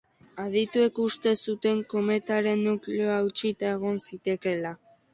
Adituek uste zuten kometaren nukleoa hautsita egon zitekeela.